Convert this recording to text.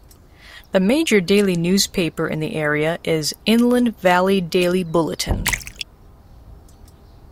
The major daily newspaper in the area is "Inland Valley Daily Bulletin".